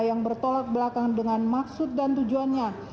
yang bertolak belakang dengan maksud dan tujuannya